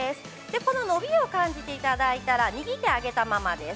この伸びを感じていただいたら、右手を上げたままです。